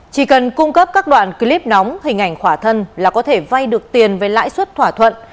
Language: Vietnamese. chỉ cần cung cấp các đoạn clip nóng hình ảnh khỏa thân là có thể vay được tiền với lãi suất thỏa thuận